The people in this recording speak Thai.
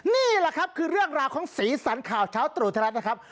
นี่แหละครับคือเรื่องราวของศรีสรรค่าเช้าตรูธรรมดานะครับ